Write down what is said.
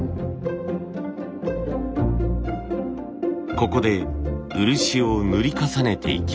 ここで漆を塗り重ねていきます。